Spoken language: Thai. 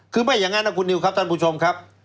คือไม่อย่างนั้นนะคุณนิวครับท่านผู้ชมครับ